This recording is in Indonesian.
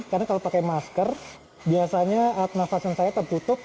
karena kalau pakai masker biasanya alat nafas yang saya tertutup